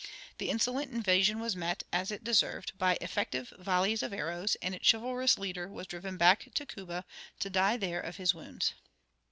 The insolent invasion was met, as it deserved, by effective volleys of arrows, and its chivalrous leader was driven back to Cuba, to die there of his wounds.